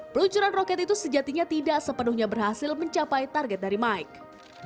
peluncuran roket itu sejatinya tidak sepenuhnya berhasil mencapai target dari mike